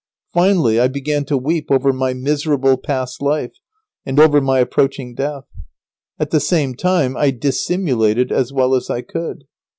Finally, I began to weep over my miserable past life, and over my approaching death. At the same time I dissimulated as well as I could.